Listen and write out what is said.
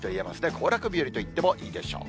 行楽日和と言ってもいいでしょう。